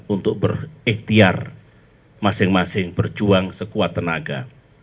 untuk berikhtiar masing masing berjuang sekuat tenaga